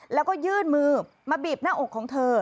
แล้วก็ยื่นมือมาบีบหน้าอกของเธอ